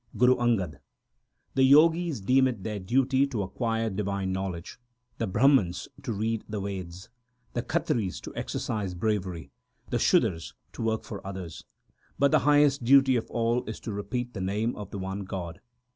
Guru Angad The Jogis deem it their duty to acquire divine knowledge, the Brahmans to read the Veds, The Khatris to exercise bravery, the Sudars to work for others ; But the highest duty of all is to repeat the name of the one God.